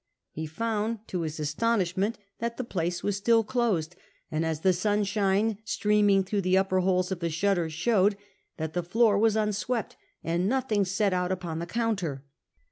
He found, to his astonishment^ that the place Wjis still closed, and, os the sunshine streaming through the iijjper holes of the shutters showed, that the floor w^as un swept and nothing set out upon the counter.